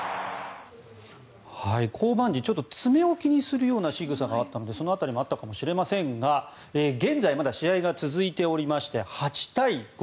降板時ちょっと爪を気にするようなしぐさがあったのでその辺りもあったかもしれませんが現在まだ試合が続いておりまして８対５。